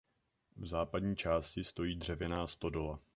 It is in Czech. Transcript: V západní části stojí dřevěná stodola.